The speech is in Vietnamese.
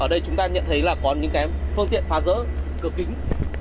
ở đây chúng ta nhận thấy là có những phương tiện phá rỡ cửa kính